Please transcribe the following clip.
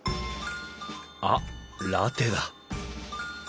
あっラテだ！